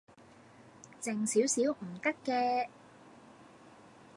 靜少少唔得嘅